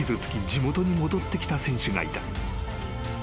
地元に戻ってきた選手がいた］